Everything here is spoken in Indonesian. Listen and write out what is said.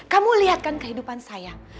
kamu lihat kan kehidupan saya